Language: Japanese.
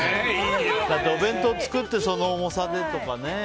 お弁当作ってその重さでとかね。